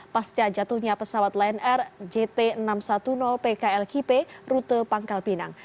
pasca jatuhnya pesawat lion air jt enam ratus sepuluh pklkp rute pangkal pinang